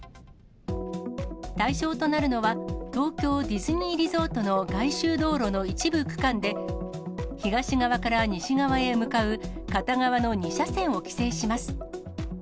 対象となるのは、東京ディズニーリゾートの外周道路の一部区間で、東側から西側へ向かう片側の２車線を規制します。